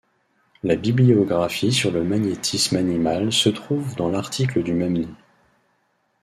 La bibliographie sur le magnétisme animal se trouve dans l'article du même nom.